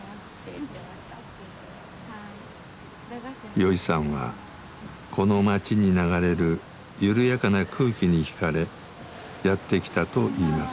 よいさんはこの町に流れる緩やかな空気にひかれやって来たといいます。